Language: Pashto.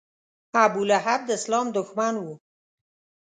ابولهب د اسلام دښمن و.